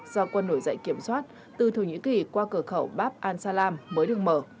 do quân nổi dạy kiểm soát từ thổ nhĩ kỳ qua cửa khẩu bab al salam mới được mở